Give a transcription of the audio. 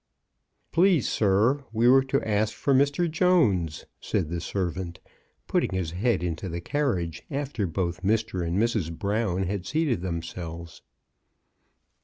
"Please, sir, we were to ask for Mr. Jones," said the servant, putting his head into the car riage after both Mr. and Mrs. Brown had seated themselves.